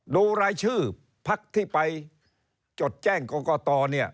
ดูรายชื่อพักที่ไปจดแจ้งกรกตเนี่ย